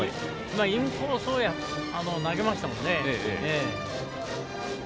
インコースを投げましたもんね。